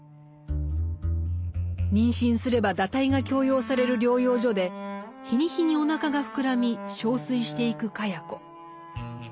妊娠すれば堕胎が強要される療養所で日に日におなかが膨らみ憔悴していく茅子。